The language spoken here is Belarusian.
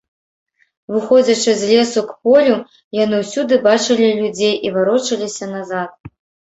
Выходзячы з лесу к полю, яны ўсюды бачылі людзей і варочаліся назад.